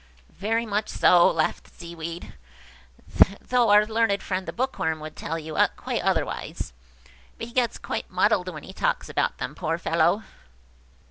"Very much so," laughed the Seaweed, "though our learned friend, the Bookworm, would tell you quite otherwise; but he gets quite muddled when he talks about them, poor fellow